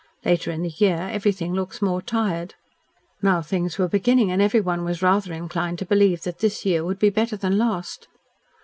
Later in the year everything looks more tired. Now things were beginning and everyone was rather inclined to believe that this year would be better than last.